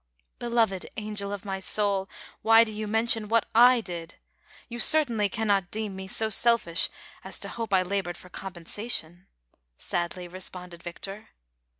" Beloved angel of rny soul, why do you mention what / did V You certainly cannot deem me so selfish as to hope 1 labored for compensation," sadly responded Victor.